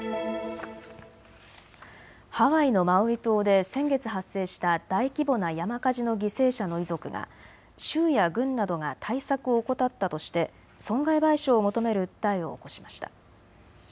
ハワイのマウイ島で先月発生した大規模な山火事の犠牲者の遺族が州や郡などが対策を怠ったとして損害賠償を求める訴えを起こしました。